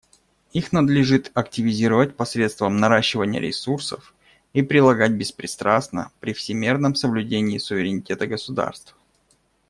Их надлежит активизировать посредством наращивания ресурсов и прилагать беспристрастно, при всемерном соблюдении суверенитета государств.